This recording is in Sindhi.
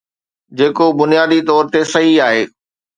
جيڪو بنيادي طور تي صحيح آهي.